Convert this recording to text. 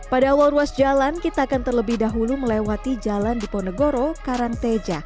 pada awal ruas jalan kita akan terlebih dahulu melewati jalan diponegoro karangteja